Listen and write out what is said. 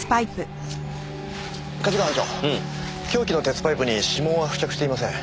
加治川班長凶器の鉄パイプに指紋は付着していません。